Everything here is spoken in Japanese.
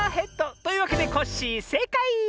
というわけでコッシーせいかい！